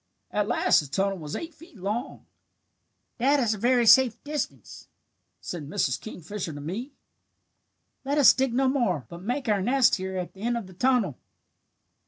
At last the tunnel was eight feet long. "'That is a very safe distance,' said Mrs. Kingfisher to me. 'Let us dig no more, but make our nest here at the end of the tunnel.'